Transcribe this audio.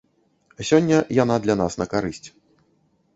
Сёння яна для нас на карысць.